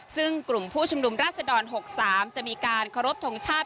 ซึ่งกลุ่มผู้ชุมนุมราชดร๖๓จะมีการเคารพทงชาติ